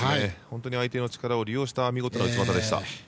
相手の力を利用した見事な内股でした。